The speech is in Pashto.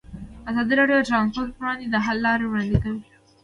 ازادي راډیو د ترانسپورټ پر وړاندې د حل لارې وړاندې کړي.